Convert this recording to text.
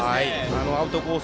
あのアウトコース